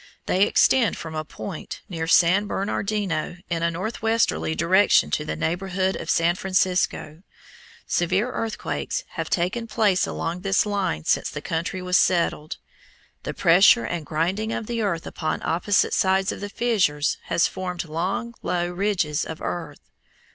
They extend from a point near San Bernardino in a northwesterly direction to the neighborhood of San Francisco. Severe earthquakes have taken place along this line since the country was settled. The pressure and grinding of the earth upon opposite sides of the fissures has formed long low ridges of earth.